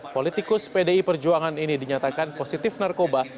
politikus pdi perjuangan ini dinyatakan positif narkoba